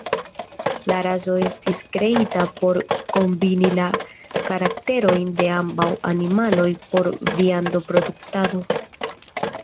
La raso estis kreita por kombini la karakterojn de ambaŭ animaloj por viando-produktado.